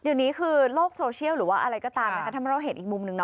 เดี๋ยวนี้คือโลกโซเชียลหรือว่าอะไรก็ตามนะคะถ้าเราเห็นอีกมุมหนึ่ง